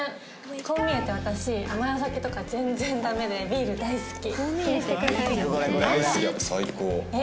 こう見えて私甘いお酒とか全然ダメでビール大好き。